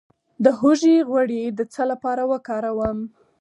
د هوږې غوړي د څه لپاره وکاروم؟